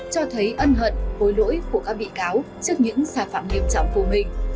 cho thấy ân hận hối lỗi của các bị cáo trước những sai phạm nghiêm trọng của mình